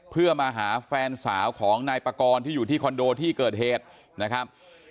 เพื่อมาหาแฟนสาวของนายปากรที่อยู่ที่คอนโดที่เกิดเหตุนะครับ